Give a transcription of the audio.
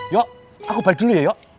yo aku balik dulu ya yo